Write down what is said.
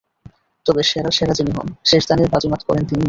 তবে সেরার সেরা যিনি হন, শেষ দানে বাজি মাত করেন তিনিই।